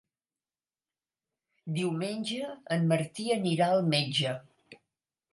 Diumenge en Martí anirà al metge.